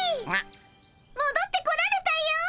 もどってこられたよ！